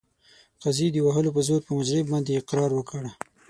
قاضي د وهلو په زور په مجرم باندې اقرار وکړ.